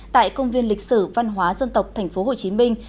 tại công viên lịch sử văn hóa dân tộc thành phố hồ chí minh